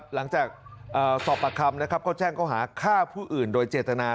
หลังจากสอบประคำเขาแจ้งเขาหาค่าผู้อื่นโดยเจตนา